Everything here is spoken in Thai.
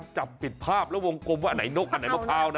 จับผิดภาพแล้ววงกลมว่าอันไหนนกอันไหนมะพร้าวนะ